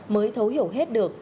mới thấu hiểu hết được